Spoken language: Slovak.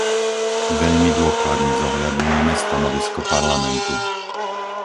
Veľmi dôkladne zohľadňujeme stanovisko Parlamentu.